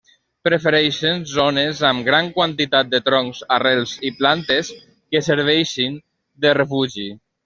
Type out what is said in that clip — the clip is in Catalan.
Prefereixen zones amb gran quantitat de troncs, arrels i plantes que serveixin de refugi.